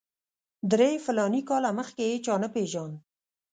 درې فلاني کاله مخکې هېچا نه پېژاند.